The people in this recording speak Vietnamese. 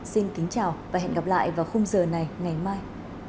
xin kính chào và hẹn gặp lại vào khung giờ này ngày mai